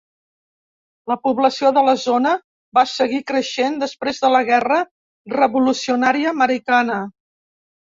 La població de la zona va seguir creixent després de la guerra revolucionària americana.